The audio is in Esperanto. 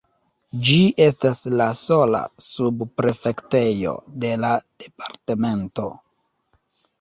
Ĝi estas la sola subprefektejo de la departemento.